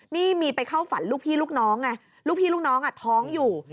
นี่มีไปเข้าฝันลูกพี่ลูกน้องไงลูกพี่ลูกน้องท้องอยู่